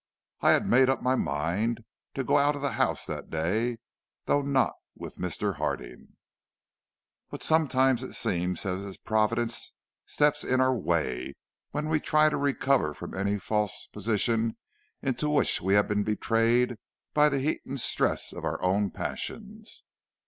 I had made up my mind to go out of the house that day, though not with Mr. Harding. "But sometimes it seems as if Providence stepped in our way when we try to recover from any false position into which we have been betrayed by the heat and stress of our own passions.